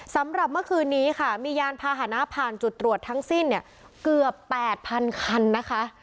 สำหรับเมื่อคืนนี้ค่ะมียานพาหนะผ่านจุดตรวจทั้งสิ้นเนี่ยเกือบ๘๐๐๐คันนะคะ